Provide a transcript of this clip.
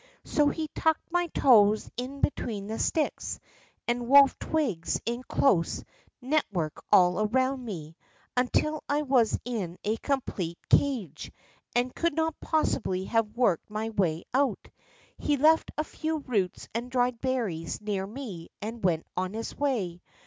So he tucked my toes in between the sticks, and wove twigs in a close net work all around me, until I was in a complete cage, and could not possibly have worked my way THE REST OF BOO^f A ROOM'S STORY 67 out. lie left a few roots and dried berries near me, and went his way.